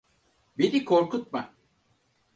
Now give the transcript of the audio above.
Beni korkutma.